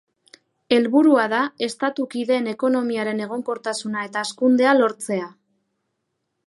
Helburua da estatu kideen ekonomiaren egonkortasuna eta hazkundea lortzea.